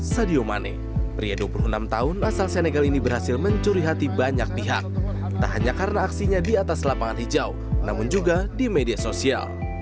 sadio mane pria dua puluh enam tahun asal senegal ini berhasil mencuri hati banyak pihak tak hanya karena aksinya di atas lapangan hijau namun juga di media sosial